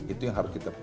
itu yang harus kita